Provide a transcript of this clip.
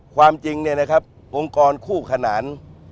ความจริงองค์กรคู่ขนาน